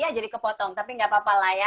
ya jadi kepotong tapi gak apa apa lah ya